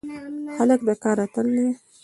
هلک د کار اتل دی.